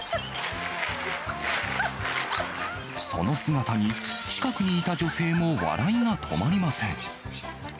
その姿に、近くにいた女性も笑いが止まりません。